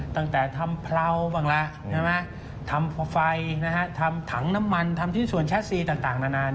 ตั้งแต่ทำเพราบ้างละทำไฟทำถังน้ำมันทำชิ้นส่วนแชทซีต่างนานา